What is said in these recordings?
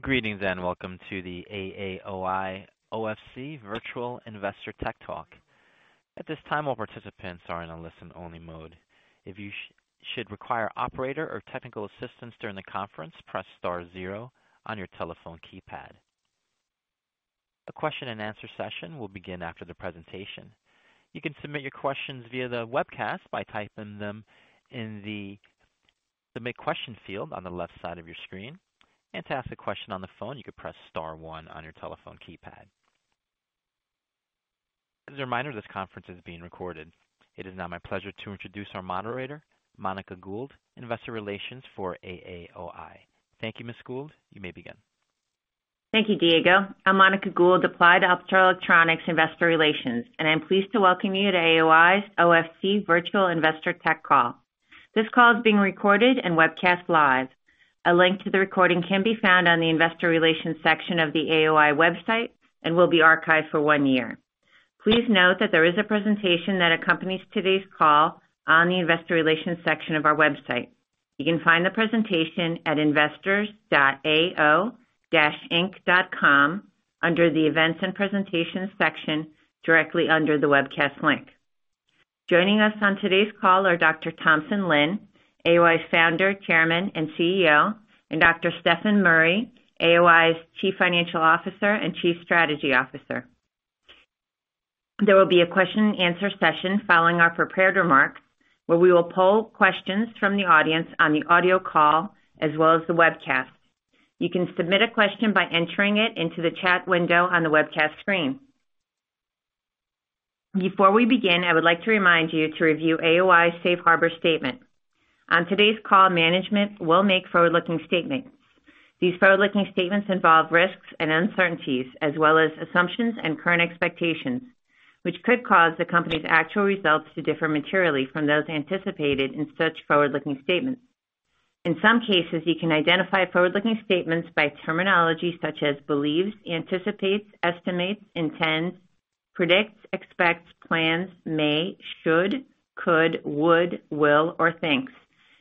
Greetings, welcome to the AAOI OFC Virtual Investor Tech Talk. At this time, all participants are in a listen-only mode. If you should require operator or technical assistance during the conference, press star zero on your telephone keypad. A question and answer session will begin after the presentation. You can submit your questions via the webcast by typing them in the submit question field on the left side of your screen. To ask a question on the phone, you can press star one on your telephone keypad. As a reminder, this conference is being recorded. It is now my pleasure to introduce our moderator, Monica Gould, Investor Relations for AAOI. Thank you, Ms. Gould. You may begin. Thank you, Diego. I'm Monica Gould, Applied Optoelectronics investor relations, and I'm pleased to welcome you to AOI's OFC Virtual Investor Tech Call. This call is being recorded and webcast live. A link to the recording can be found on the investor relations section of the AOI website and will be archived for one year. Please note that there is a presentation that accompanies today's call on the investor relations section of our website. You can find the presentation at investors.ao-inc.com under the events and presentations section directly under the webcast link. Joining us on today's call are Dr. Thompson Lin, AOI's Founder, Chairman, and CEO, and Dr. Stefan Murry, AOI's Chief Financial Officer and Chief Strategy Officer. There will be a question and answer session following our prepared remarks, where we will poll questions from the audience on the audio call as well as the webcast. You can submit a question by entering it into the chat window on the webcast screen. Before we begin, I would like to remind you to review AOI's safe harbor statement. On today's call, management will make forward-looking statements. These forward-looking statements involve risks and uncertainties, as well as assumptions and current expectations, which could cause the company's actual results to differ materially from those anticipated in such forward-looking statements. In some cases, you can identify forward-looking statements by terminology such as believes, anticipates, estimates, intends, predicts, expects, plans, may, should, could, would, will, or thinks,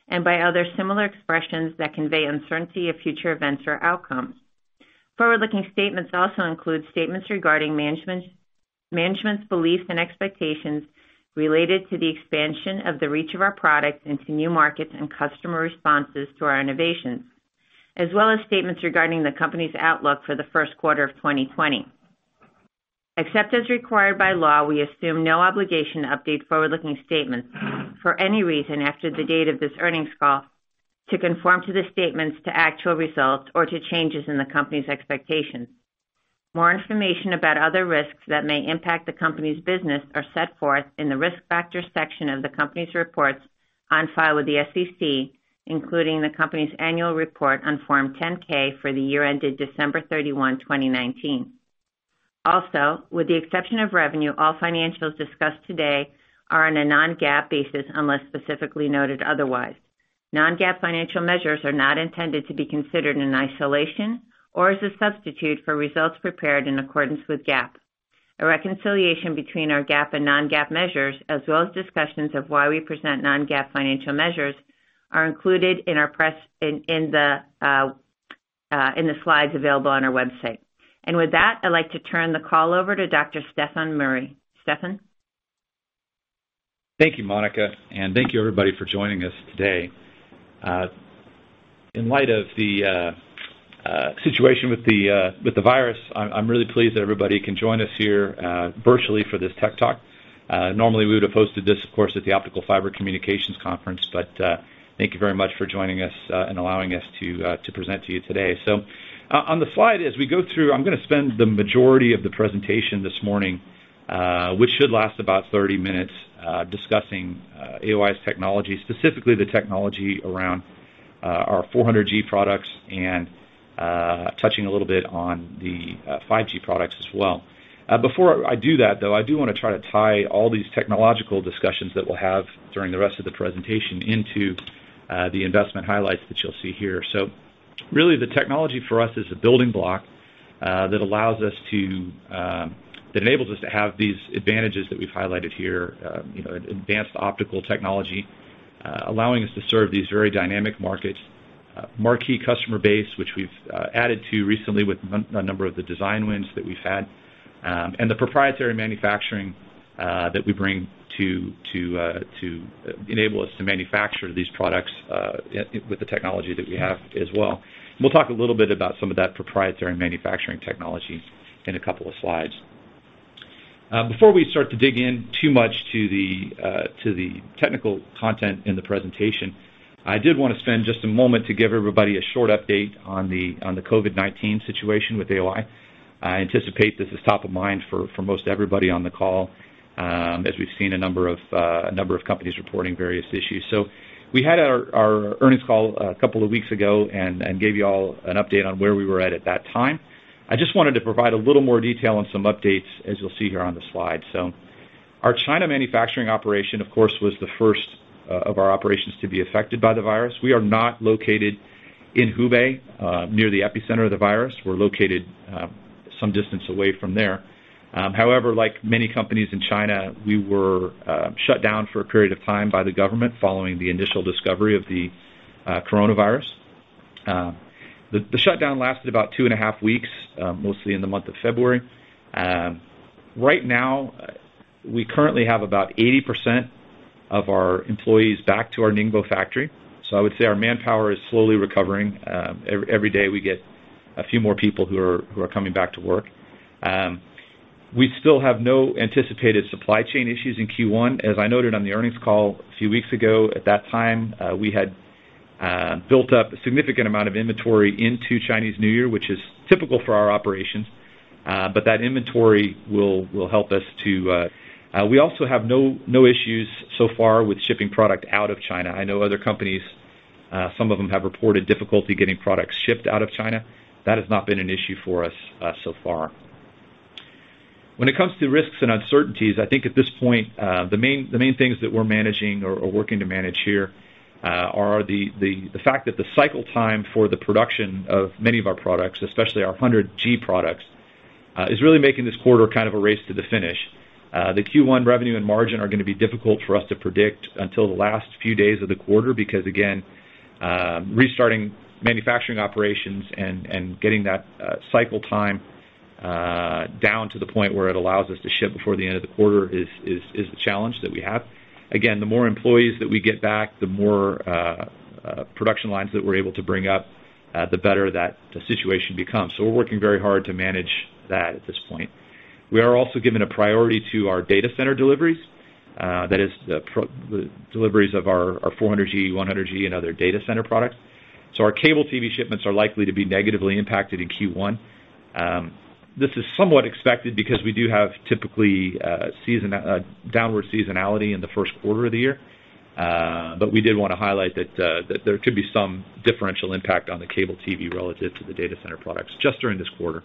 and by other similar expressions that convey uncertainty of future events or outcomes. Forward-looking statements also include statements regarding management's beliefs and expectations related to the expansion of the reach of our products into new markets and customer responses to our innovations, as well as statements regarding the company's outlook for the first quarter of 2020. Except as required by law, we assume no obligation to update forward-looking statements for any reason after the date of this earnings call to conform to the statements to actual results or to changes in the company's expectations. More information about other risks that may impact the company's business are set forth in the risk factors section of the company's reports on file with the SEC, including the company's annual report on Form 10-K for the year ended December 31, 2019. With the exception of revenue, all financials discussed today are on a non-GAAP basis unless specifically noted otherwise. Non-GAAP financial measures are not intended to be considered in isolation or as a substitute for results prepared in accordance with GAAP. A reconciliation between our GAAP and non-GAAP measures, as well as discussions of why we present non-GAAP financial measures, are included in the slides available on our website. With that, I'd like to turn the call over to Dr. Stefan Murry. Stefan? Thank you, Monica, and thank you everybody for joining us today. In light of the situation with the virus, I'm really pleased that everybody can join us here virtually for this tech talk. Normally, we would have hosted this, of course, at the Optical Fiber Communication Conference, but thank you very much for joining us and allowing us to present to you today. On the slide, as we go through, I'm going to spend the majority of the presentation this morning, which should last about 30 minutes, discussing AOI's technology, specifically the technology around our 400G products and touching a little bit on the 5G products as well. Before I do that, though, I do want to try to tie all these technological discussions that we'll have during the rest of the presentation into the investment highlights that you'll see here. Really the technology for us is a building block that enables us to have these advantages that we've highlighted here, advanced optical technology allowing us to serve these very dynamic markets. Marquee customer base, which we've added to recently with a number of the design wins that we've had, and the proprietary manufacturing that we bring to enable us to manufacture these products with the technology that we have as well. We'll talk a little bit about some of that proprietary manufacturing technology in a couple of slides. Before we start to dig in too much to the technical content in the presentation, I did want to spend just a moment to give everybody a short update on the COVID-19 situation with AOI. I anticipate this is top of mind for most everybody on the call, as we've seen a number of companies reporting various issues. We had our earnings call a couple of weeks ago and gave you all an update on where we were at that time. I just wanted to provide a little more detail on some updates, as you'll see here on the slide. Our China manufacturing operation, of course, was the first of our operations to be affected by the virus. We are not located in Hubei, near the epicenter of the virus. We're located some distance away from there. However, like many companies in China, we were shut down for a period of time by the government following the initial discovery of the coronavirus. The shutdown lasted about two and a half weeks, mostly in the month of February. Right now, we currently have about 80% of our employees back to our Ningbo factory. I would say our manpower is slowly recovering. Every day we get a few more people who are coming back to work. We still have no anticipated supply chain issues in Q1. As I noted on the earnings call a few weeks ago, at that time, we had built up a significant amount of inventory into Chinese New Year, which is typical for our operations. That inventory will help us too. We also have no issues so far with shipping product out of China. I know other companies, some of them have reported difficulty getting products shipped out of China. That has not been an issue for us so far. When it comes to risks and uncertainties, I think at this point, the main things that we're managing or working to manage here are the fact that the cycle time for the production of many of our products, especially our 100G products, is really making this quarter a race to the finish. The Q1 revenue and margin are going to be difficult for us to predict until the last few days of the quarter, because, again, restarting manufacturing operations and getting that cycle time down to the point where it allows us to ship before the end of the quarter is the challenge that we have. Again, the more employees that we get back, the more production lines that we're able to bring up, the better that the situation becomes. We're working very hard to manage that at this point. We are also giving a priority to our data center deliveries. That is the deliveries of our 400G, 100G, and other data center products. Our cable TV shipments are likely to be negatively impacted in Q1. This is somewhat expected because we do have typically a downward seasonality in the first quarter of the year. We did want to highlight that there could be some differential impact on the cable TV relative to the data center products just during this quarter.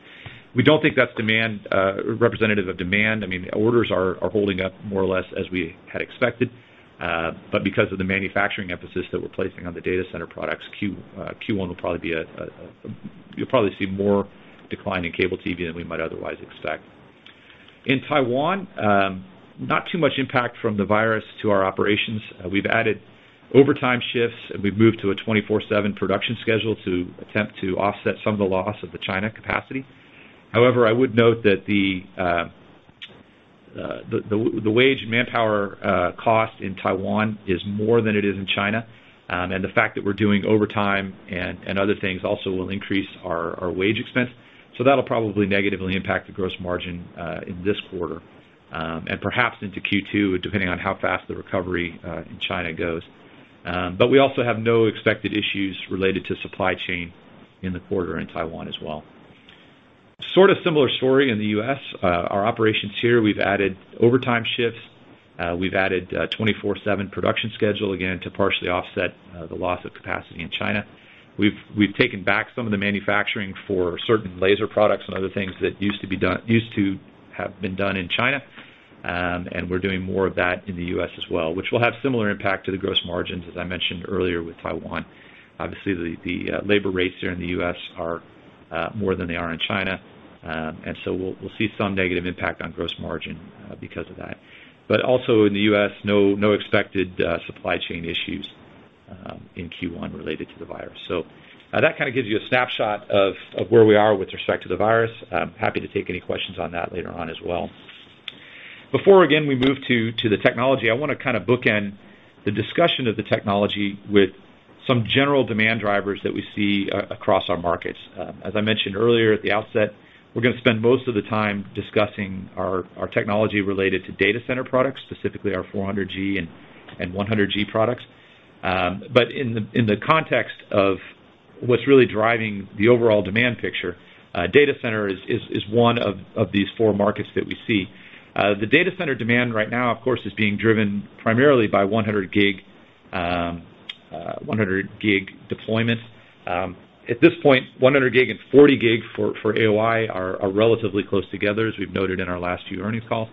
We don't think that's representative of demand. Orders are holding up more or less as we had expected. Because of the manufacturing emphasis that we're placing on the data center products, Q1, you'll probably see more decline in cable TV than we might otherwise expect. In Taiwan, not too much impact from the virus to our operations. We've added overtime shifts, and we've moved to a 24/7 production schedule to attempt to offset some of the loss of the China capacity. However, I would note that the wage and manpower cost in Taiwan is more than it is in China. The fact that we're doing overtime and other things also will increase our wage expense. That'll probably negatively impact the gross margin in this quarter, and perhaps into Q2, depending on how fast the recovery in China goes. We also have no expected issues related to supply chain in the quarter in Taiwan as well. Sort of similar story in the U.S. Our operations here, we've added overtime shifts. We've added 24/7 production schedule, again, to partially offset the loss of capacity in China. We've taken back some of the manufacturing for certain laser products and other things that used to have been done in China. We're doing more of that in the U.S. as well, which will have similar impact to the gross margins, as I mentioned earlier, with Taiwan. Obviously, the labor rates here in the U.S. are more than they are in China. We'll see some negative impact on gross margin because of that. Also in the U.S., no expected supply chain issues in Q1 related to the virus. That kind of gives you a snapshot of where we are with respect to the virus. Happy to take any questions on that later on as well. Before, again, we move to the technology, I want to bookend the discussion of the technology with some general demand drivers that we see across our markets. As I mentioned earlier at the outset, we're going to spend most of the time discussing our technology related to data center products, specifically our 400G and 100G products. In the context of what's really driving the overall demand picture, data center is one of these four markets that we see. The data center demand right now, of course, is being driven primarily by 100G deployments. At this point, 100G and 40G for AOI are relatively close together, as we've noted in our last few earnings calls.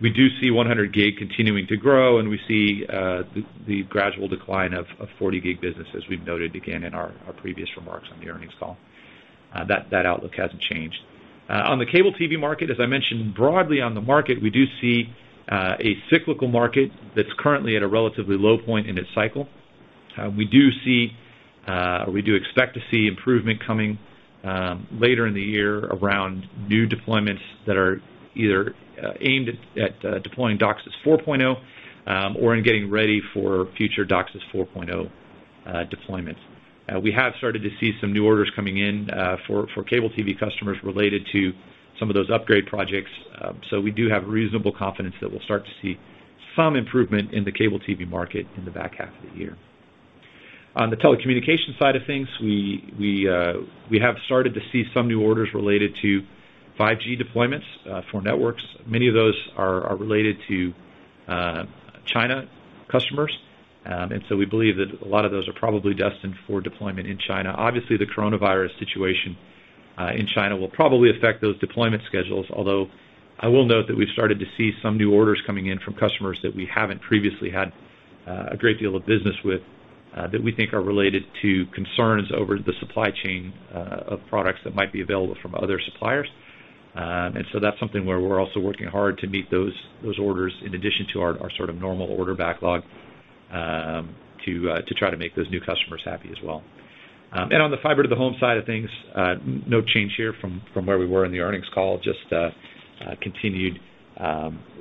We do see 100G continuing to grow, and we see the gradual decline of 40G business, as we've noted, again, in our previous remarks on the earnings call. That outlook hasn't changed. On the cable TV market, as I mentioned broadly on the market, we do see a cyclical market that's currently at a relatively low point in its cycle. We do expect to see improvement coming later in the year around new deployments that are either aimed at deploying DOCSIS 4.0 or in getting ready for future DOCSIS 4.0 deployments. We have started to see some new orders coming in for cable TV customers related to some of those upgrade projects. We do have reasonable confidence that we'll start to see some improvement in the cable TV market in the back half of the year. On the telecommunication side of things, we have started to see some new orders related to 5G deployments for networks. Many of those are related to China customers. We believe that a lot of those are probably destined for deployment in China. Obviously, the coronavirus situation in China will probably affect those deployment schedules, although I will note that we've started to see some new orders coming in from customers that we haven't previously had a great deal of business with, that we think are related to concerns over the supply chain of products that might be available from other suppliers. That's something where we're also working hard to meet those orders in addition to our normal order backlog, to try to make those new customers happy as well. On the fiber-to-the-home side of things, no change here from where we were in the earnings call, just continued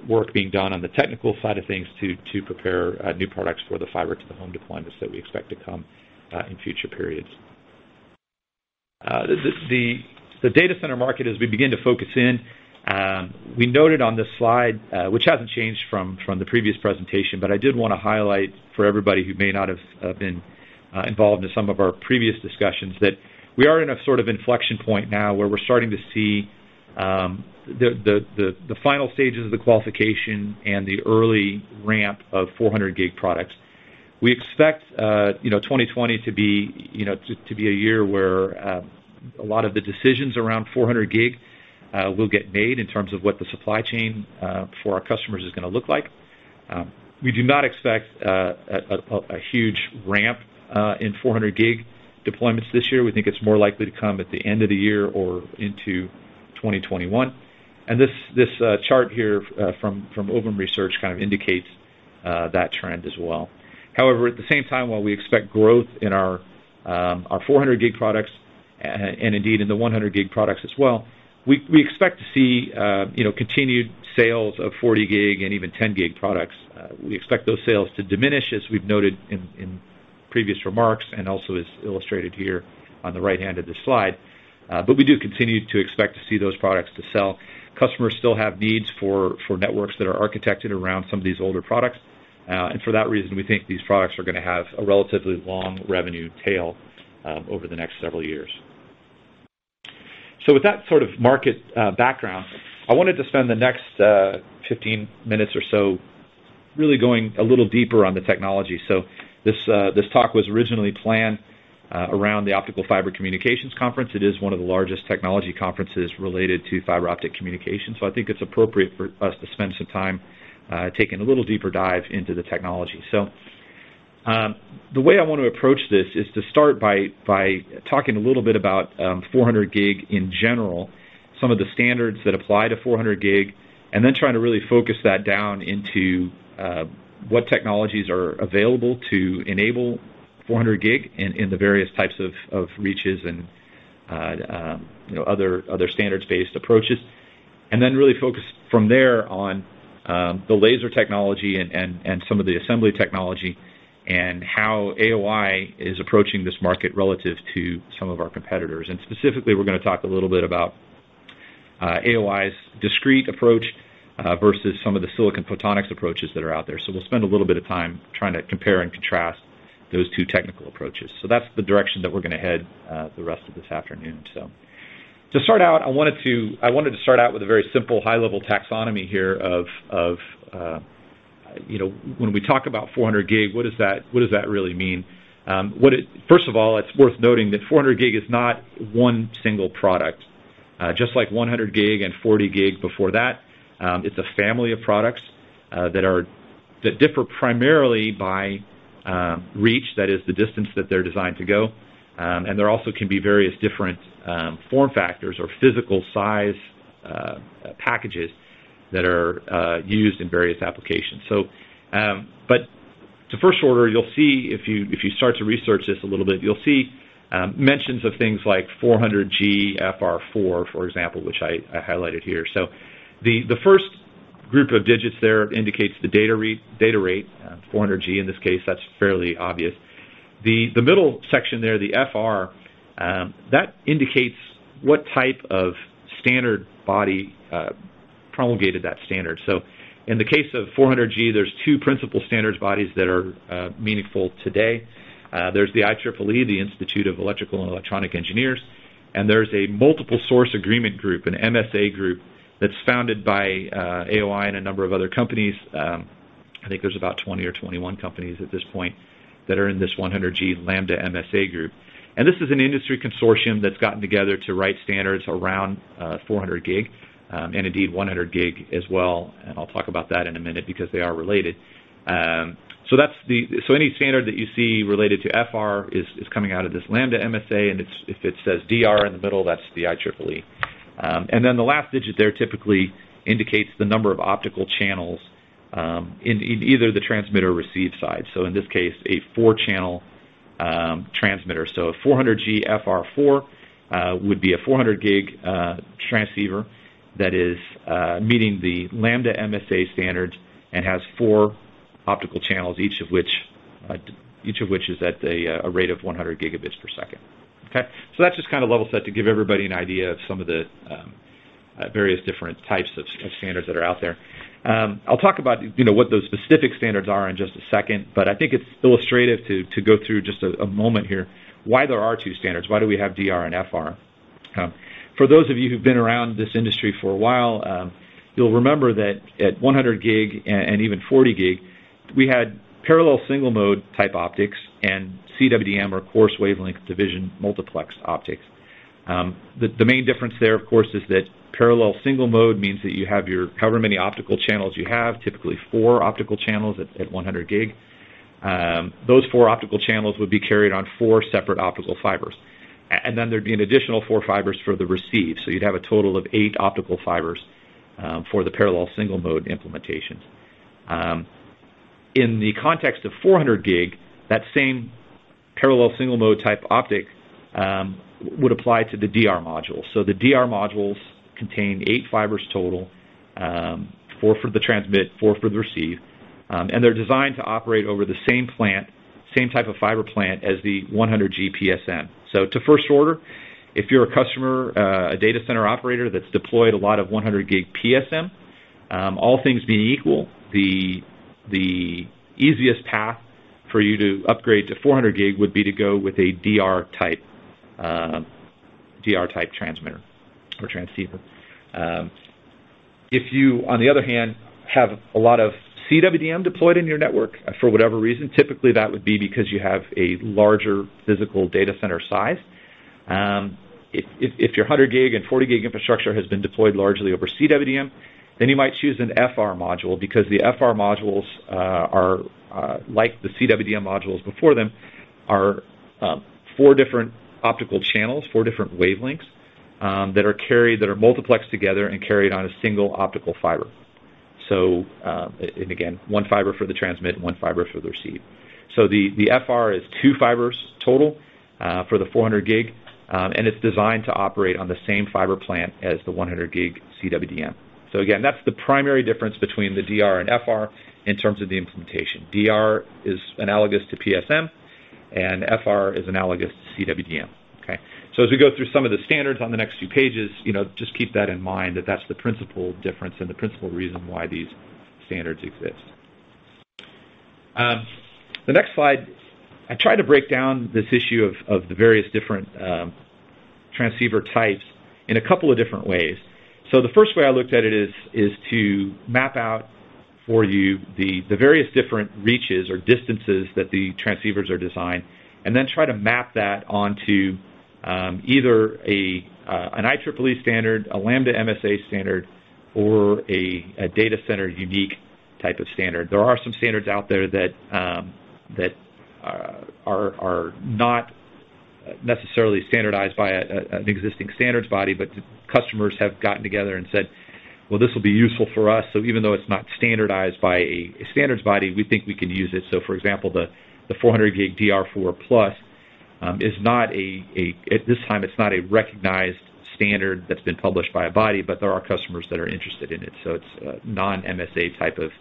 work being done on the technical side of things to prepare new products for the fiber-to-the-home deployments that we expect to come in future periods. The data center market, as we begin to focus in, we noted on this slide, which hasn't changed from the previous presentation, but I did want to highlight for everybody who may not have been involved in some of our previous discussions, that we are in a sort of inflection point now where we're starting to see the final stages of the qualification and the early ramp of 400G products. We expect 2020 to be a year where a lot of the decisions around 400G will get made in terms of what the supply chain for our customers is going to look like. We do not expect a huge ramp in 400G deployments this year. We think it's more likely to come at the end of the year or into 2021. This chart here from Ovum kind of indicates that trend as well. At the same time, while we expect growth in our 400G products, and indeed in the 100G products as well, we expect to see continued sales of 40G and even 10G products. We expect those sales to diminish, as we've noted in previous remarks, and also is illustrated here on the right-hand of the slide. We do continue to expect to see those products to sell. Customers still have needs for networks that are architected around some of these older products. For that reason, we think these products are going to have a relatively long revenue tail over the next several years. With that sort of market background, I wanted to spend the next 15 minutes or so really going a little deeper on the technology. This talk was originally planned around the Optical Fiber Communication Conference. It is one of the largest technology conferences related to fiber optic communication. I think it's appropriate for us to spend some time taking a little deeper dive into the technology. The way I want to approach this is to start by talking a little bit about 400G in general, some of the standards that apply to 400G, and then trying to really focus that down into what technologies are available to enable 400G in the various types of reaches and other standards-based approaches. Then really focus from there on the laser technology and some of the assembly technology, and how AOI is approaching this market relative to some of our competitors. Specifically, we're going to talk a little bit about AOI's discrete approach versus some of the silicon photonics approaches that are out there. We'll spend a little bit of time trying to compare and contrast those two technical approaches. That's the direction that we're going to head the rest of this afternoon. To start out, I wanted to start out with a very simple high-level taxonomy here of when we talk about 400G, what does that really mean? First of all, it's worth noting that 400G is not one single product. Just like 100G and 40G before that, it's a family of products that differ primarily by reach, that is the distance that they're designed to go. There also can be various different form factors or physical size packages that are used in various applications. To first order, you'll see if you start to research this a little bit, you'll see mentions of things like 400G FR4, for example, which I highlighted here. The first group of digits there indicates the data rate, 400G in this case. That's fairly obvious. The middle section there, the FR, that indicates what type of standard body promulgated that standard. In the case of 400G, there's two principal standards bodies that are meaningful today. There's the IEEE, the Institute of Electrical and Electronics Engineers, and there's a multiple source agreement group, an MSA group, that's founded by AOI and a number of other companies. I think there's about 20 or 21 companies at this point that are in this 100G Lambda MSA group. This is an industry consortium that's gotten together to write standards around 400G, and indeed 100G as well, and I'll talk about that in a minute because they are related. Any standard that you see related to FR is coming out of this Lambda MSA, and if it says DR in the middle, that's the IEEE. The last digit there typically indicates the number of optical channels in either the transmit or receive side. In this case, a four-channel transmitter. A 400G FR4 would be a 400G transceiver that is meeting the Lambda MSA standards and has four optical channels, each of which is at a rate of 100 gigabits per second. Okay? That's just to level set to give everybody an idea of some of the various different types of standards that are out there. I'll talk about what those specific standards are in just a second, but I think it's illustrative to go through just a moment here why there are two standards. Why do we have DR and FR? For those of you who've been around this industry for a while, you'll remember that at 100G and even 40G we had parallel single mode type optics and CWDM or coarse wavelength division multiplex optics. The main difference there, of course, is that parallel single mode means that you have however many optical channels you have, typically four optical channels at 100G. Those four optical channels would be carried on four separate optical fibers. There'd be an additional four fibers for the receive. You'd have a total of eight optical fibers for the parallel single mode implementations. In the context of 400G, that same parallel single mode type optic would apply to the DR module. The DR modules contain eight fibers total, four for the transmit, four for the receive, and they're designed to operate over the same type of fiber plant as the 100G PSM. To first order, if you're a customer, a data center operator that's deployed a lot of 100G PSM, all things being equal, the easiest path for you to upgrade to 400G would be to go with a DR type transmitter or transceiver. If you, on the other hand, have a lot of CWDM deployed in your network for whatever reason, typically that would be because you have a larger physical data center size. If your 100G and 40G infrastructure has been deployed largely over CWDM, you might choose an FR module because the FR modules are, like the CWDM modules before them, are four different optical channels, four different wavelengths, that are multiplexed together and carried on a single optical fiber. And again, one fiber for the transmit and one fiber for the receive. The FR is two fibers total for the 400G, and it's designed to operate on the same fiber plant as the 100G CWDM. Again, that's the primary difference between the DR and FR in terms of the implementation. DR is analogous to PSM, and FR is analogous to CWDM. Okay? As we go through some of the standards on the next few pages, just keep that in mind that that's the principal difference and the principal reason why these standards exist. The next slide, I tried to break down this issue of the various different transceiver types in a couple of different ways. The first way I looked at it is to map out for you the various different reaches or distances that the transceivers are designed, and then try to map that onto either an IEEE standard, a Lambda MSA standard, or a data center unique type of standard. There are some standards out there that are not necessarily standardized by an existing standards body, but customers have gotten together and said, "Well, this will be useful for us. Even though it's not standardized by a standards body, we think we can use it." For example, the 400G DR4+ is not a, at this time, it's not a recognized standard that's been published by a body, but there are customers that are interested in it. It's a non-MSA type of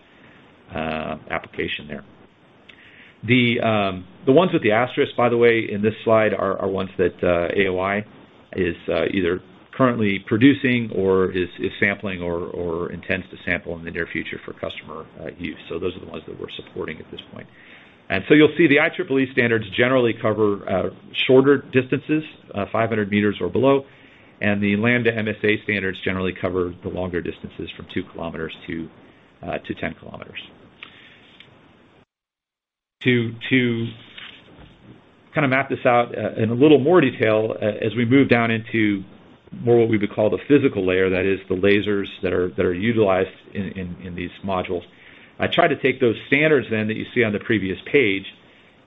application there. The ones with the asterisks, by the way, in this slide are ones that AOI is either currently producing or is sampling or intends to sample in the near future for customer use. Those are the ones that we're supporting at this point. You'll see the IEEE standards generally cover shorter distances, 500 meters or below, and the Lambda MSA standards generally cover the longer distances from two kilometers to 10 kilometers. To kind of map this out in a little more detail as we move down into more what we would call the physical layer, that is the lasers that are utilized in these modules. I tried to take those standards then that you see on the previous page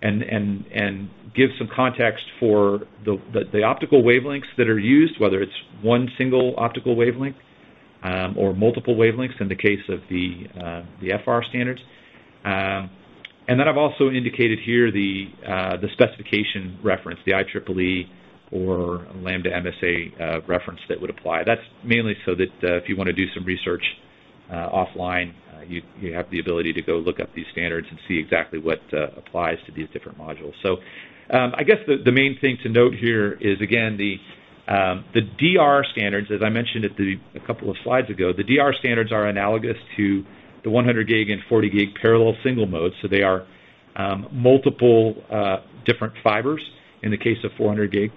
and give some context for the optical wavelengths that are used, whether it's one single optical wavelength or multiple wavelengths in the case of the FR standards. I've also indicated here the specification reference, the IEEE or Lambda MSA reference that would apply. That's mainly so that if you want to do some research offline, you have the ability to go look up these standards and see exactly what applies to these different modules. I guess the main thing to note here is, again, the DR standards, as I mentioned a couple of slides ago, the DR standards are analogous to the 100G and 40G parallel single mode. They are multiple different fibers in the case of 400G.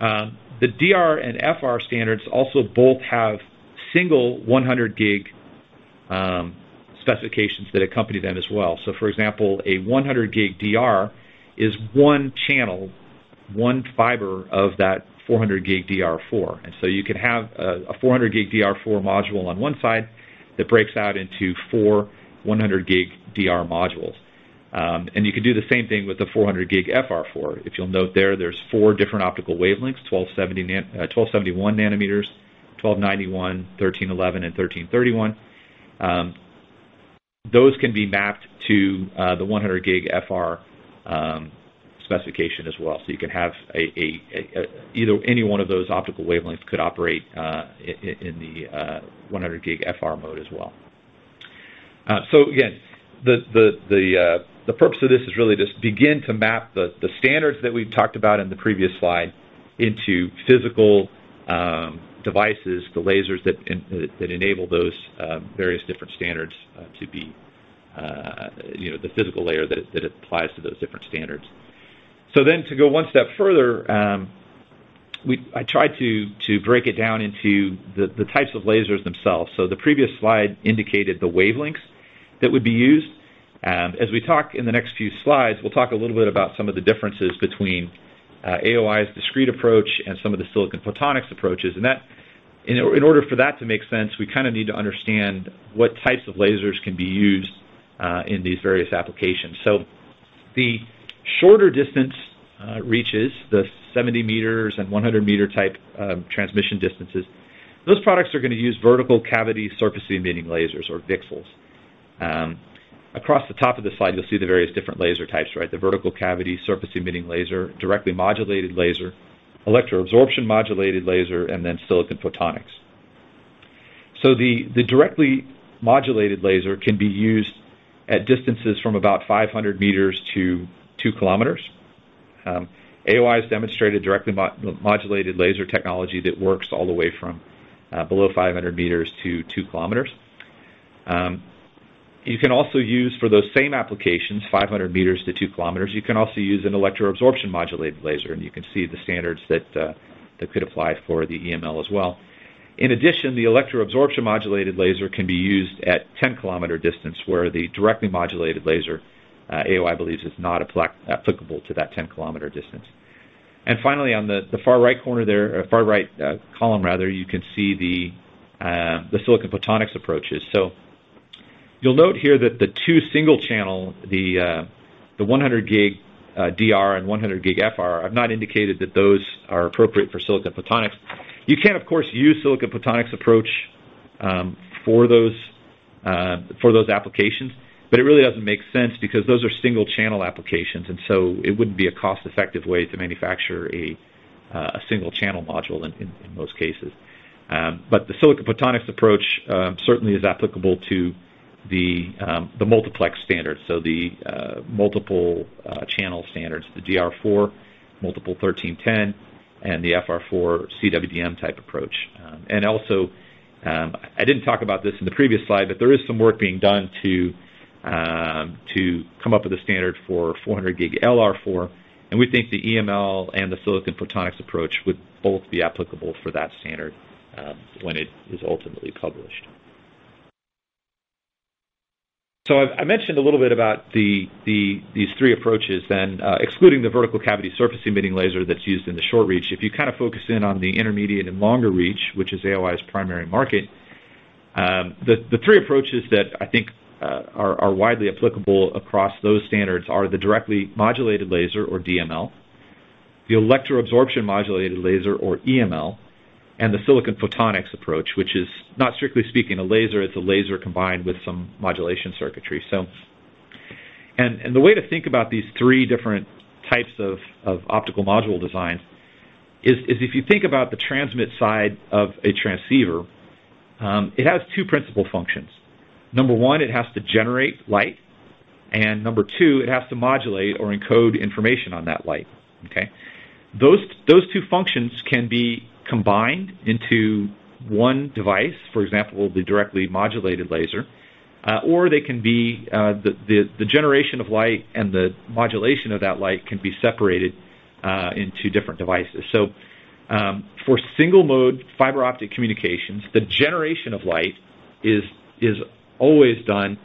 The DR and FR standards also both have single 100G specifications that accompany them as well. For example, a 100G DR is one channel, one fiber of that 400G DR4. You can have a 400G DR4 module on one side that breaks out into four 100G DR modules. You can do the same thing with the 400G FR4. If you'll note there's four different optical wavelengths, 1,271 nanometers, 1,291, 1,311, and 1,331. Those can be mapped to the 100G FR specification as well. You can have any one of those optical wavelengths could operate in the 100G FR mode as well. Again, the purpose of this is really to begin to map the standards that we've talked about in the previous slide into physical devices, the lasers that enable those various different standards to be the physical layer that applies to those different standards. To go one step further, I tried to break it down into the types of lasers themselves. The previous slide indicated the wavelengths that would be used. As we talk in the next few slides, we'll talk a little bit about some of the differences between AOI's discrete approach and some of the silicon photonics approaches. In order for that to make sense, we kind of need to understand what types of lasers can be used in these various applications. The shorter distance reaches, the 70 meters and 100-meter type transmission distances, those products are going to use vertical cavity surface emitting lasers or VCSELs. Across the top of the slide, you'll see the various different laser types. The vertical cavity surface emitting laser, directly modulated laser, electroabsorption modulated laser, and then silicon photonics. The directly modulated laser can be used at distances from about 500 meters to two kilometers. AOI has demonstrated directly modulated laser technology that works all the way from below 500 meters to 2 kilometers. You can also use, for those same applications, 500 meters to two kilometers, you can also use an electroabsorption modulated laser, and you can see the standards that could apply for the EML as well. In addition, the electroabsorption modulated laser can be used at 10-kilometer distance, where the directly modulated laser, AOI believes is not applicable to that 10-kilometer distance. Finally, on the far right column, you can see the silicon photonics approaches. You'll note here that the two single-channel, the 100G DR and 100G FR, I've not indicated that those are appropriate for silicon photonics. You can, of course, use silicon photonics approach for those applications, but it really doesn't make sense because those are single-channel applications. It wouldn't be a cost-effective way to manufacture a single-channel module in most cases. The silicon photonics approach certainly is applicable to the multiplex standards. The multiple channel standards, the DR4, multiple 1310, and the FR4 CWDM type approach. Also, I didn't talk about this in the previous slide, but there is some work being done to come up with a standard for 400G LR4, and we think the EML and the silicon photonics approach would both be applicable for that standard when it is ultimately published. I mentioned a little bit about these three approaches then, excluding the vertical cavity surface emitting laser that's used in the short reach. If you kind of focus in on the intermediate and longer reach, which is AOI's primary market, the three approaches that I think are widely applicable across those standards are the directly modulated laser or DML, the electroabsorption modulated laser or EML, and the silicon photonics approach, which is not strictly speaking a laser. It's a laser combined with some modulation circuitry. The way to think about these three different types of optical module designs is if you think about the transmit side of a transceiver, it has two principal functions. Number one, it has to generate light, and number two, it has to modulate or encode information on that light. Okay? Those two functions can be combined into one device, for example, the directly modulated laser, or the generation of light and the modulation of that light can be separated into different devices. For single mode fiber-optic communications, the generation of light is always done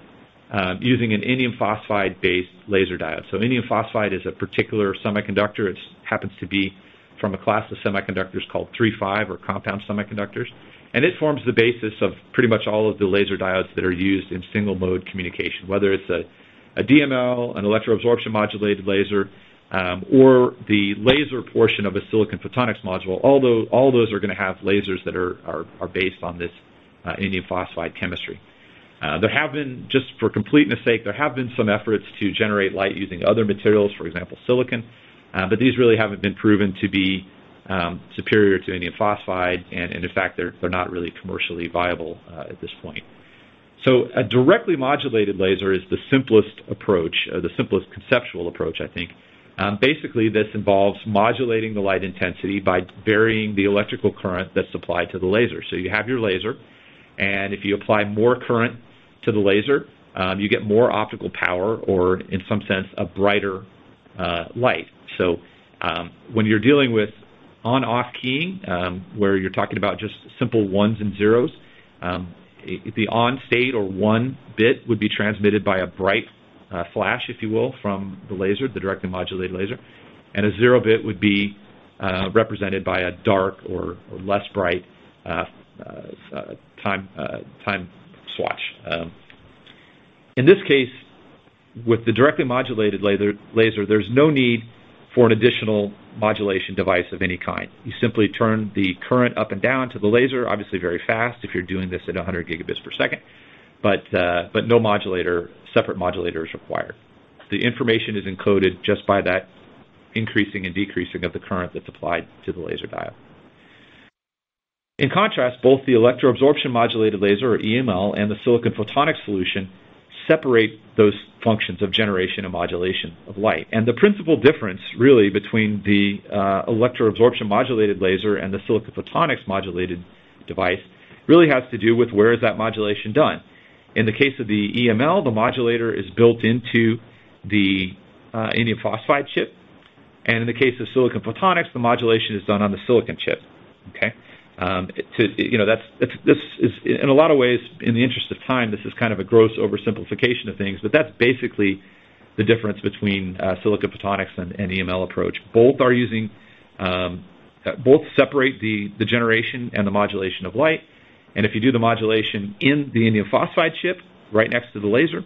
using an indium phosphide-based laser diode. Indium phosphide is a particular semiconductor. It happens to be from a class of semiconductors called III-V or compound semiconductors. It forms the basis of pretty much all of the laser diodes that are used in single mode communication, whether it's a DML, an electroabsorption modulated laser, or the laser portion of a silicon photonics module. All those are going to have lasers that are based on this indium phosphide chemistry. Just for completeness sake, there have been some efforts to generate light using other materials, for example, silicon. These really haven't been proven to be superior to indium phosphide, and in fact, they're not really commercially viable at this point. A directly modulated laser is the simplest conceptual approach, I think. Basically, this involves modulating the light intensity by varying the electrical current that's supplied to the laser. You have your laser, and if you apply more current to the laser, you get more optical power or in some sense, a brighter light. When you're dealing with on-off keying, where you're talking about just simple ones and zeros, the on state or one bit would be transmitted by a bright flash, if you will, from the laser, the directly modulated laser, and a zero bit would be represented by a dark or less bright time swatch. In this case, with the directly modulated laser, there's no need for an additional modulation device of any kind. You simply turn the current up and down to the laser, obviously very fast if you're doing this at 100 gigabits per second. No separate modulator is required. The information is encoded just by that increasing and decreasing of the current that's applied to the laser diode. In contrast, both the electroabsorption modulated laser or EML and the silicon photonics solution separate those functions of generation and modulation of light. The principal difference really between the electroabsorption modulated laser and the silicon photonics modulated device really has to do with where is that modulation done. In the case of the EML, the modulator is built into the indium phosphide chip. In the case of silicon photonics, the modulation is done on the silicon chip. Okay? In a lot of ways, in the interest of time, this is kind of a gross oversimplification of things, but that's basically the difference between silicon photonics and EML approach. Both separate the generation and the modulation of light. If you do the modulation in the indium phosphide chip, right next to the laser,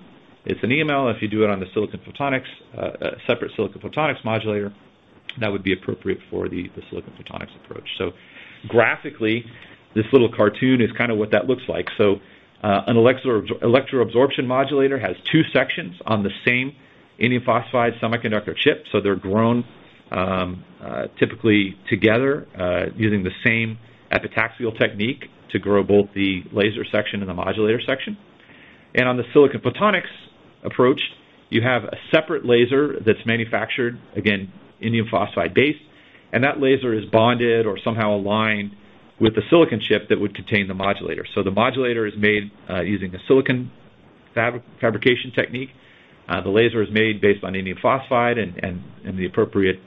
it's an EML. If you do it on a separate silicon photonics modulator, that would be appropriate for the silicon photonics approach. Graphically, this little cartoon is kind of what that looks like. An electroabsorption modulator has two sections on the same indium phosphide semiconductor chip. They're grown, typically together, using the same epitaxial technique to grow both the laser section and the modulator section. On the silicon photonics approach, you have a separate laser that's manufactured, again, indium phosphide based, and that laser is bonded or somehow aligned with the silicon chip that would contain the modulator. The modulator is made using a silicon fabrication technique. The laser is made based on indium phosphide and the appropriate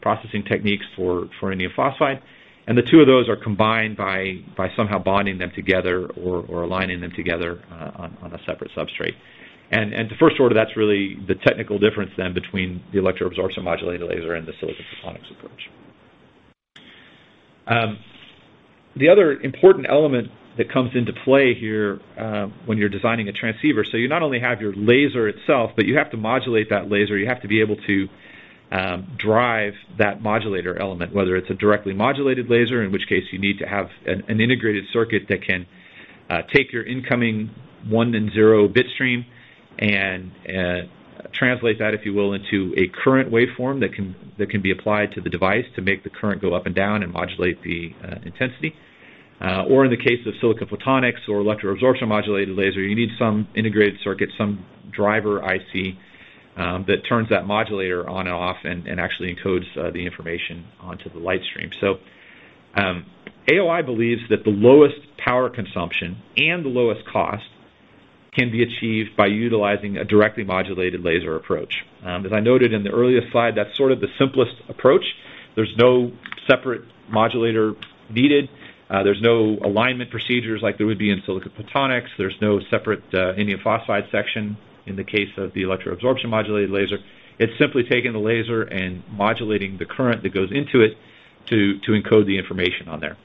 processing techniques for indium phosphide. The two of those are combined by somehow bonding them together or aligning them together on a separate substrate. To first order, that's really the technical difference then between the electroabsorption modulated laser and the silicon photonics approach. The other important element that comes into play here when you're designing a transceiver, so you not only have your laser itself, but you have to modulate that laser. You have to be able to drive that modulator element, whether it's a directly modulated laser, in which case you need to have an integrated circuit that can take your incoming one and zero bit stream and translate that, if you will, into a current waveform that can be applied to the device to make the current go up and down and modulate the intensity. In the case of silicon photonics or electroabsorption modulated laser, you need some integrated circuit, some driver IC that turns that modulator on and off and actually encodes the information onto the light stream. AOI believes that the lowest power consumption and the lowest cost can be achieved by utilizing a directly modulated laser approach. As I noted in the earlier slide, that's sort of the simplest approach. There's no separate modulator needed. There's no alignment procedures like there would be in silicon photonics. There's no separate indium phosphide section, in the case of the electroabsorption modulated laser. It's simply taking the laser and modulating the current that goes into it to encode the information on there.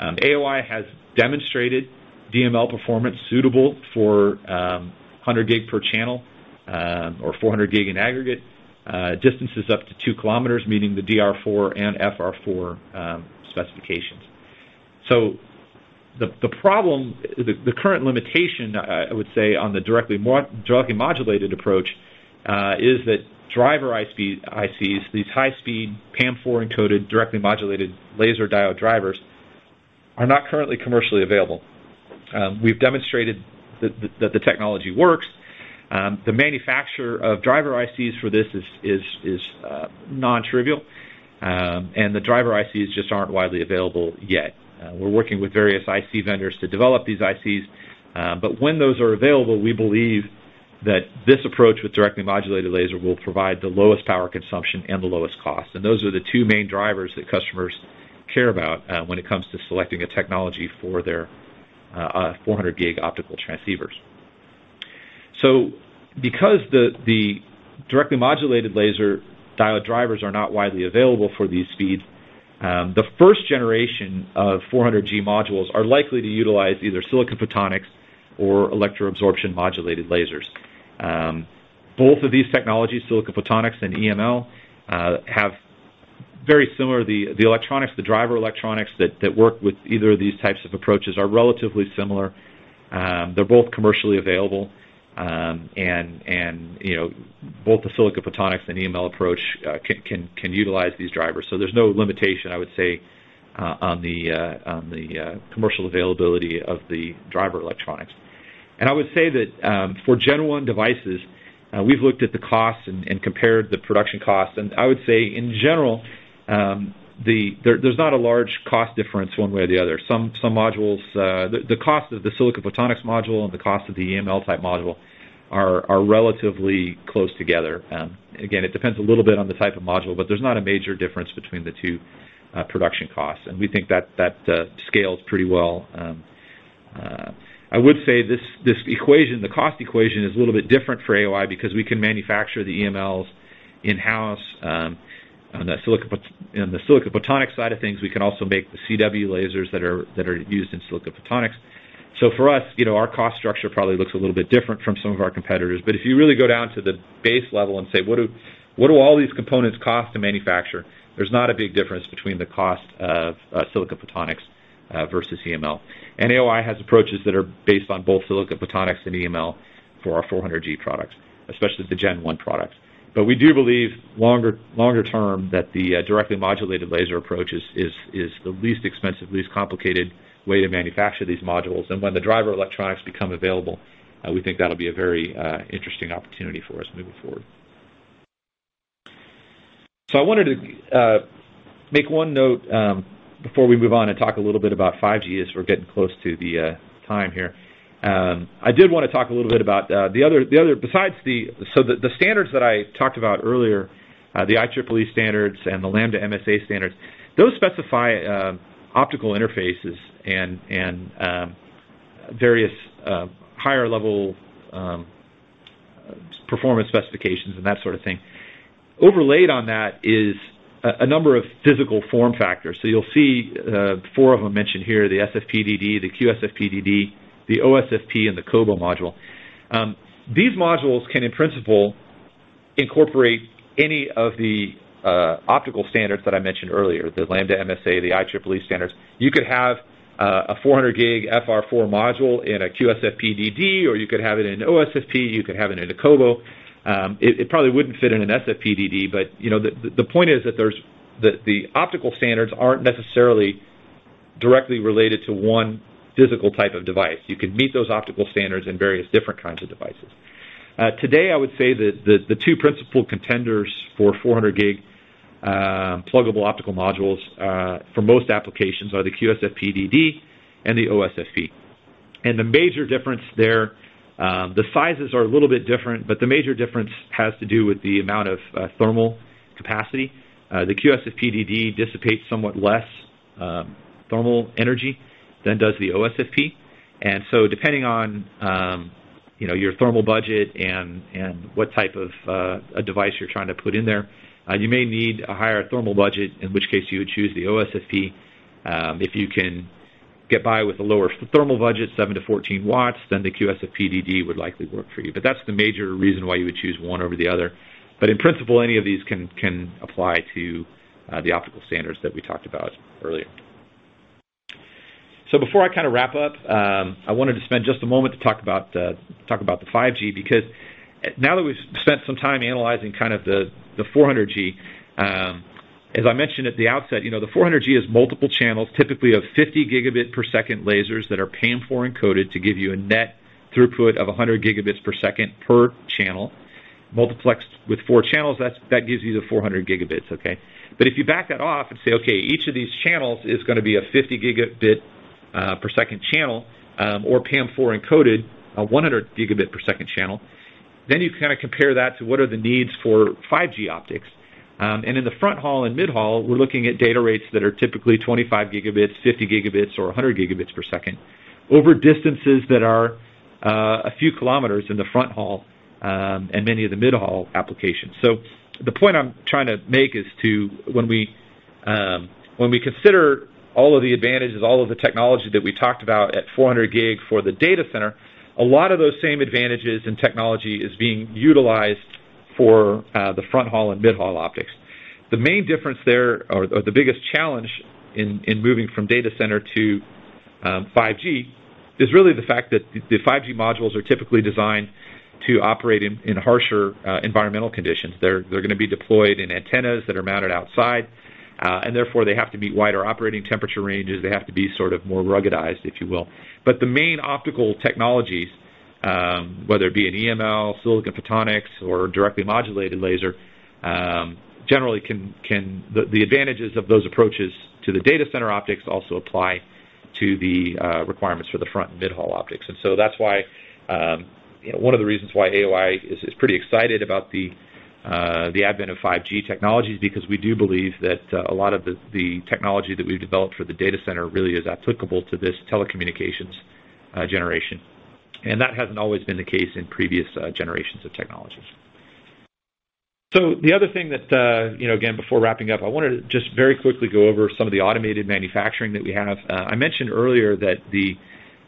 AOI has demonstrated DML performance suitable for 100G per channel, or 400G in aggregate, distances up to 2 km, meeting the DR4 and FR4 specifications. The current limitation, I would say, on the directly modulated approach, is that driver ICs, these high-speed PAM4 encoded directly modulated laser diode drivers, are not currently commercially available. We've demonstrated that the technology works. The manufacturer of driver ICs for this is non-trivial. The driver ICs just aren't widely available yet. We're working with various IC vendors to develop these ICs. When those are available, we believe that this approach with directly modulated laser will provide the lowest power consumption and the lowest cost. Those are the two main drivers that customers care about when it comes to selecting a technology for their 400G optical transceivers. Because the directly modulated laser diode drivers are not widely available for these speeds, the first generation of 400G modules are likely to utilize either silicon photonics or electroabsorption modulated lasers. Both of these technologies, silicon photonics and EML, the driver electronics that work with either of these types of approaches are relatively similar. They're both commercially available. Both the silicon photonics and EML approach can utilize these drivers. There's no limitation, I would say, on the commercial availability of the driver electronics. I would say that for Gen-1 devices, we've looked at the costs and compared the production costs, and I would say, in general, there's not a large cost difference one way or the other. The cost of the silicon photonics module and the cost of the EML type module are relatively close together. Again, it depends a little bit on the type of module, but there's not a major difference between the two production costs, and we think that scales pretty well. I would say this equation, the cost equation, is a little bit different for AOI because we can manufacture the EMLs in-house. On the silicon photonics side of things, we can also make the CW lasers that are used in silicon photonics. For us, our cost structure probably looks a little bit different from some of our competitors. If you really go down to the base level and say, "What do all these components cost to manufacture?" There's not a big difference between the cost of silicon photonics versus EML. AOI has approaches that are based on both silicon photonics and EML for our 400G products, especially the gen one products. We do believe longer term that the directly modulated laser approach is the least expensive, least complicated way to manufacture these modules. When the driver electronics become available, we think that'll be a very interesting opportunity for us moving forward. I wanted to make one note before we move on and talk a little bit about 5G, as we're getting close to the time here. I did want to talk a little bit about the standards that I talked about earlier, the IEEE standards and the Lambda MSA standards. Those specify optical interfaces and various higher-level performance specifications and that sort of thing. Overlaid on that is a number of physical form factors. You'll see four of them mentioned here, the SFP-DD, the QSFP-DD, the OSFP, and the COBO module. These modules can, in principle, incorporate any of the optical standards that I mentioned earlier, the Lambda MSA, the IEEE standards. You could have a 400G FR4 module in a QSFP-DD, or you could have it in OSFP, you could have it in a COBO. It probably wouldn't fit in an SFP-DD, the point is that the optical standards aren't necessarily directly related to one physical type of device. You can meet those optical standards in various different kinds of devices. Today, I would say that the two principal contenders for 400G pluggable optical modules for most applications are the QSFP-DD and the OSFP. The major difference there, the sizes are a little bit different, but the major difference has to do with the amount of thermal capacity. The QSFP-DD dissipates somewhat less thermal energy than does the OSFP. Depending on your thermal budget and what type of device you're trying to put in there, you may need a higher thermal budget, in which case you would choose the OSFP. If you can get by with a lower thermal budget, 7-14 watts, then the QSFP-DD would likely work for you. That's the major reason why you would choose one over the other. In principle, any of these can apply to the optical standards that we talked about earlier. Before I kind of wrap up, I wanted to spend just a moment to talk about the 5G because now that we've spent some time analyzing kind of the 400G, as I mentioned at the outset, the 400G is multiple channels, typically of 50 gigabit per second lasers that are PAM4 encoded to give you a net throughput of 100 gigabits per second per channel. Multiplexed with four channels, that gives you the 400 gigabits. If you back that off and say, okay, each of these channels is going to be a 50 gigabit per second channel, or PAM4 encoded, a 100 gigabit per second channel, then you kind of compare that to what are the needs for 5G optics. In the fronthaul and midhaul, we're looking at data rates that are typically 25 gigabits, 50 gigabits, or 100 gigabits per second over distances that are a few kilometers in the fronthaul and many of the midhaul applications. The point I'm trying to make is to when we consider all of the advantages, all of the technology that we talked about at 400G for the data center, a lot of those same advantages in technology is being utilized for the fronthaul and midhaul optics. The main difference there, or the biggest challenge in moving from data center to 5G is really the fact that the 5G modules are typically designed to operate in harsher environmental conditions. They're going to be deployed in antennas that are mounted outside, and therefore they have to meet wider operating temperature ranges. They have to be sort of more ruggedized, if you will. The main optical technologies, whether it be an EML, silicon photonics, or directly modulated laser, generally the advantages of those approaches to the data center optics also apply to the requirements for the fronthaul and midhaul optics. That's one of the reasons why AOI is pretty excited about the advent of 5G technology is because we do believe that a lot of the technology that we've developed for the data center really is applicable to this telecommunications generation. That hasn't always been the case in previous generations of technologies. The other thing that, again, before wrapping up, I wanted to just very quickly go over some of the automated manufacturing that we have. I mentioned earlier that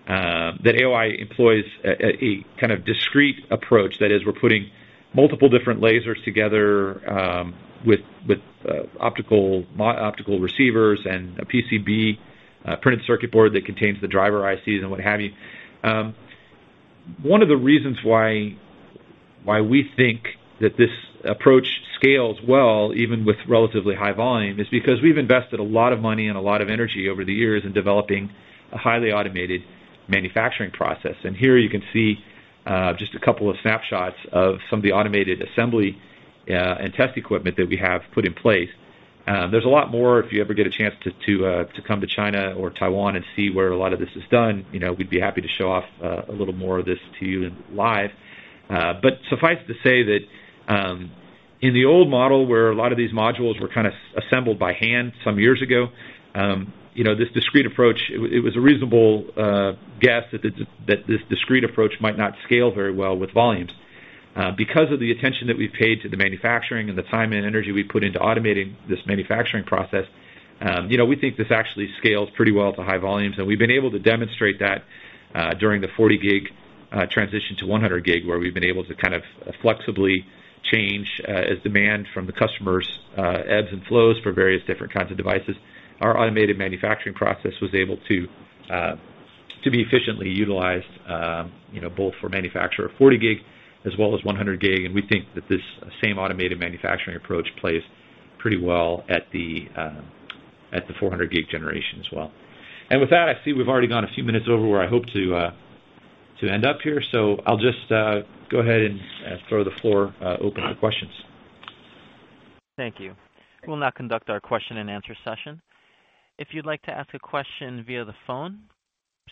AOI employs a kind of discrete approach. That is, we're putting multiple different lasers together with optical receivers and a PCB, printed circuit board, that contains the driver ICs and what have you. One of the reasons why we think that this approach scales well, even with relatively high volume, is because we've invested a lot of money and a lot of energy over the years in developing a highly automated manufacturing process. Here you can see just a couple of snapshots of some of the automated assembly and test equipment that we have put in place. There's a lot more if you ever get a chance to come to China or Taiwan and see where a lot of this is done. We'd be happy to show off a little more of this to you live. Suffice to say that in the old model where a lot of these modules were kind of assembled by hand some years ago, this discrete approach, it was a reasonable guess that this discrete approach might not scale very well with volumes. Because of the attention that we've paid to the manufacturing and the time and energy we put into automating this manufacturing process, we think this actually scales pretty well to high volumes. We've been able to demonstrate that during the 40G transition to 100G, where we've been able to kind of flexibly change as demand from the customers ebbs and flows for various different kinds of devices. Our automated manufacturing process was able to be efficiently utilized both for manufacture of 40G as well as 100G. We think that this same automated manufacturing approach plays pretty well at the 400G generation as well. With that, I see we've already gone a few minutes over where I hope to end up here. I'll just go ahead and throw the floor open to questions. Thank you. We'll now conduct our question and answer session. If you'd like to ask a question via the phone,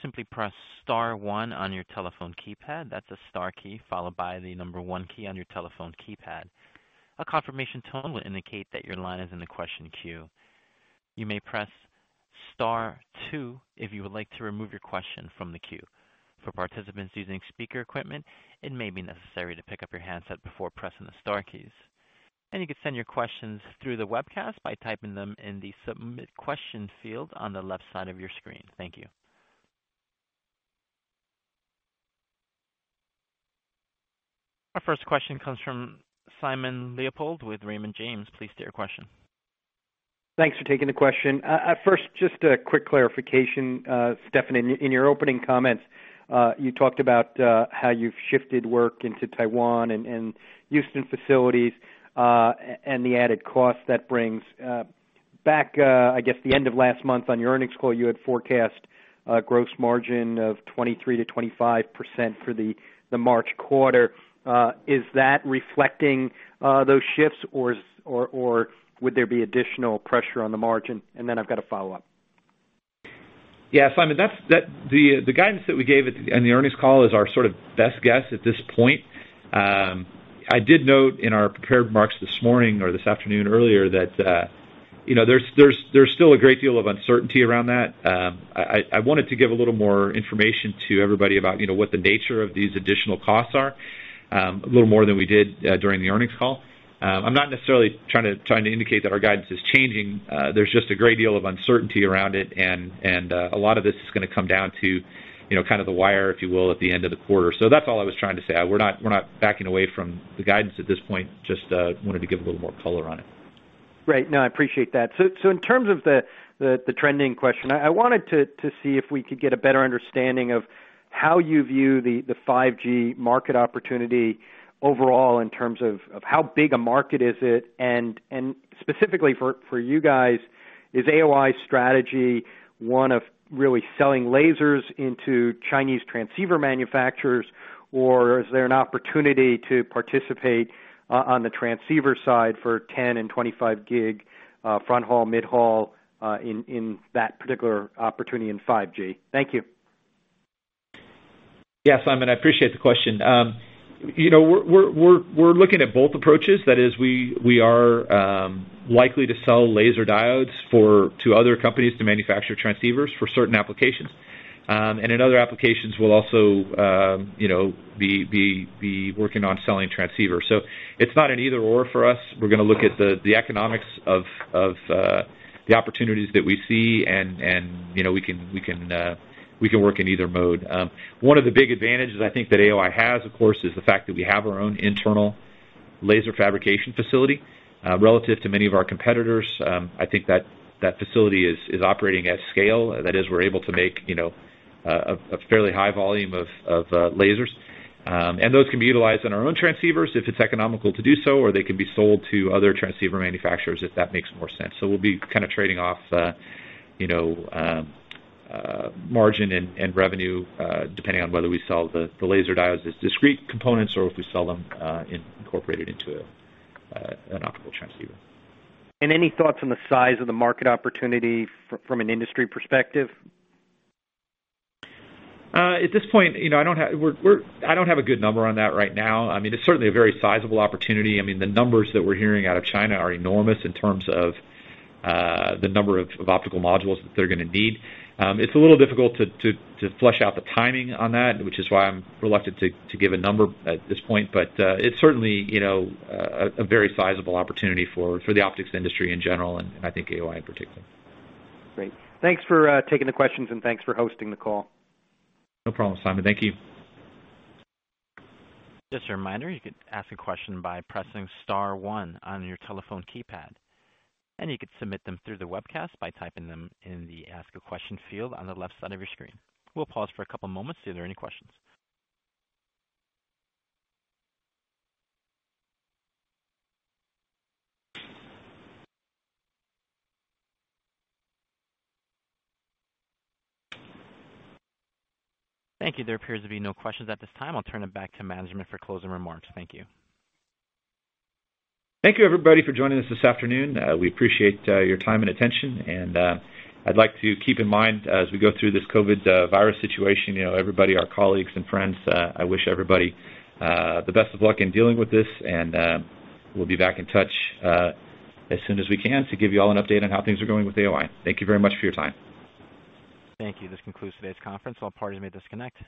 simply press star one on your telephone keypad. That's the star key, followed by the number one key on your telephone keypad. A confirmation tone will indicate that your line is in the question queue. You may press star two if you would like to remove your question from the queue. For participants using speaker equipment, it may be necessary to pick up your handset before pressing the star keys. You can send your questions through the webcast by typing them in the submit question field on the left side of your screen. Thank you. Our first question comes from Simon Leopold with Raymond James. Please state your question. Thanks for taking the question. First, just a quick clarification. Stefan, in your opening comments, you talked about how you've shifted work into Taiwan and Houston facilities, and the added cost that brings. Back, I guess, the end of last month on your earnings call, you had forecast a gross margin of 23%-25% for the March quarter. Is that reflecting those shifts or would there be additional pressure on the margin? Then I've got a follow-up. Simon, the guidance that we gave on the earnings call is our sort of best guess at this point. I did note in our prepared remarks this morning or this afternoon earlier that there's still a great deal of uncertainty around that. I wanted to give a little more information to everybody about what the nature of these additional costs are, a little more than we did during the earnings call. I'm not necessarily trying to indicate that our guidance is changing. There's just a great deal of uncertainty around it, and a lot of this is going to come down to kind of the wire, if you will, at the end of the quarter. That's all I was trying to say. We're not backing away from the guidance at this point. Just wanted to give a little more color on it. Right. No, I appreciate that. In terms of the trending question, I wanted to see if we could get a better understanding of how you view the 5G market opportunity overall in terms of how big a market is it, and specifically for you guys, is AOI's strategy one of really selling lasers into Chinese transceiver manufacturers, or is there an opportunity to participate on the transceiver side for 10 and 25 gig fronthaul, midhaul, in that particular opportunity in 5G? Thank you. Yeah, Simon, I appreciate the question. We're looking at both approaches. That is, we are likely to sell laser diodes to other companies to manufacture transceivers for certain applications. In other applications, we'll also be working on selling transceivers. It's not an either/or for us. We're going to look at the economics of the opportunities that we see, and we can work in either mode. One of the big advantages I think that AOI has, of course, is the fact that we have our own internal laser fabrication facility. Relative to many of our competitors, I think that facility is operating at scale. That is, we're able to make a fairly high volume of lasers. Those can be utilized on our own transceivers if it's economical to do so, or they can be sold to other transceiver manufacturers if that makes more sense. We'll be kind of trading off margin and revenue depending on whether we sell the laser diodes as discrete components or if we sell them incorporated into an optical transceiver. Any thoughts on the size of the market opportunity from an industry perspective? At this point, I don't have a good number on that right now. It's certainly a very sizable opportunity. The numbers that we're hearing out of China are enormous in terms of the number of optical modules that they're going to need. It's a little difficult to flesh out the timing on that, which is why I'm reluctant to give a number at this point. It's certainly a very sizable opportunity for the optics industry in general, and I think AOI in particular. Great. Thanks for taking the questions and thanks for hosting the call. No problem, Simon. Thank you. Just a reminder, you could ask a question by pressing star one on your telephone keypad, and you can submit them through the webcast by typing them in the ask a question field on the left side of your screen. We'll pause for a couple of moments to see if there are any questions. Thank you. There appears to be no questions at this time. I'll turn it back to management for closing remarks. Thank you. Thank you everybody for joining us this afternoon. We appreciate your time and attention. I'd like to keep in mind as we go through this COVID-19 situation, everybody, our colleagues and friends, I wish everybody the best of luck in dealing with this. We'll be back in touch as soon as we can to give you all an update on how things are going with AOI. Thank you very much for your time. Thank you. This concludes today's conference. All parties may disconnect.